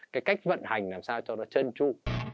cái cách vận hành làm sao cho nó chân tru